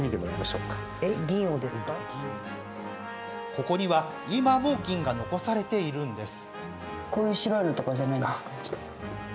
ここには今も銀が残されているんです。